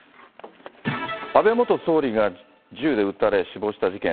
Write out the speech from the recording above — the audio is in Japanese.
安倍元総理が銃で撃たれ死亡した事件。